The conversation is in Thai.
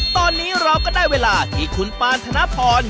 ตอนนี้เราก็ได้เวลาที่คุณปานธนพร